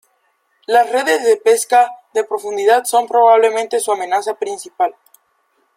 Las redes de pesca de profundidad son probablemente su amenaza principal.